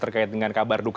terkait dengan kabar